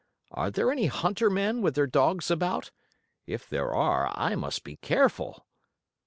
Are there any hunter men, with their dogs about? If there are I must be careful."